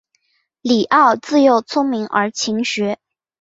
李鏊自幼聪明而勤学。